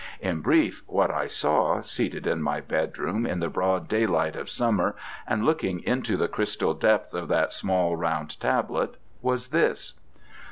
In brief, what I saw, seated in my bedroom, in the broad daylight of summer, and looking into the crystal depth of that small round tablet, was this.